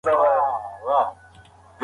او خپله لار پیدا کړئ.